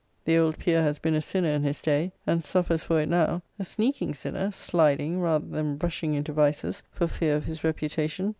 The old peer has been a sinner in his day, and suffers for it now: a sneaking sinner, sliding, rather than rushing into vices, for fear of his reputation.